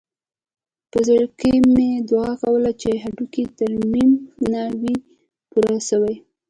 په زړه کښې مې دعا کوله چې د هډوکي ترميم نه وي پوره سوى.